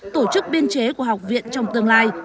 tổ chức biên chế của học viện trong tương lai